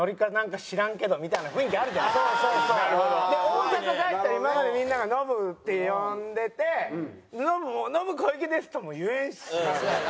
大阪帰ったら今までみんなが「ノブ」って呼んでてノブも「ノブ小池です」とも言えんし。